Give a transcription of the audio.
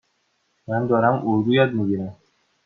من دارم اردو یاد می گیرم.